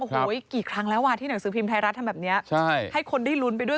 โอ้โหกี่ครั้งแล้วอ่ะที่หนังสือพิมพ์ไทยรัฐทำแบบนี้ให้คนได้ลุ้นไปด้วย